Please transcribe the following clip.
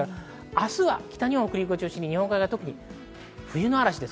明日は北日本、北陸を中心に日本海側、特に冬の嵐です。